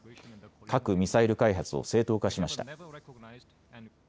核・ミサイル開発を正当化しました。